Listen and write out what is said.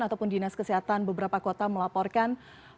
ataupun dinas kesehatan beberapa kota melaporkan